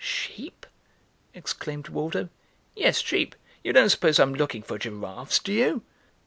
"Sheep?" exclaimed Waldo. "Yes, sheep. You don't suppose I'm looking for giraffes, do you?"